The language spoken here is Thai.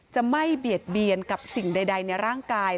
จะไม่เบียดเบียนกับสิ่งใดในร่างกาย